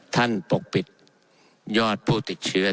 ปกปิดยอดผู้ติดเชื้อ